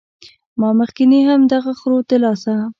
ما مخکښې هم د دغه خرو د لاسه